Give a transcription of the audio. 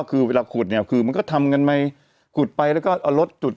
คือเวลาขุดเนี่ยคือมันก็ทำกันไปขุดไปแล้วก็เอารถจุด